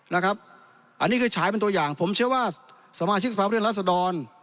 นะครับอันนี้คือฉายเป็นตัวอย่างผมเชื่อว่าสมาชิกสภาพฤทธรรัศดร